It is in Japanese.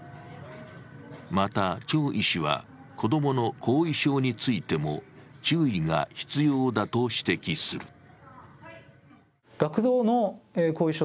また張医師は、子どもの後遺症についても注意が必要だと指摘する。